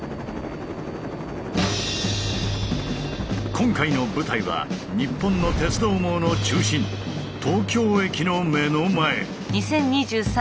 今回の舞台は日本の鉄道網の中心東京駅の目の前。